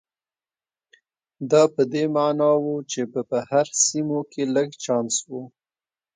دا په دې معنا و چې په بهر سیمو کې لږ چانس و.